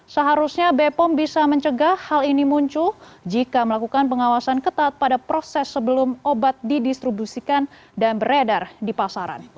seharusnya bepom bisa mencegah hal ini muncul jika melakukan pengawasan ketat pada proses sebelum obat didistribusikan dan beredar di pasaran